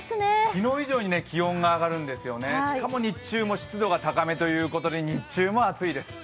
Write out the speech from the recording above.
昨日以上に気温が上がるんですよね、しかも日中も湿度が高めということで、日中も暑いです。